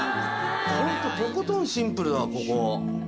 ホントとことんシンプルだここ。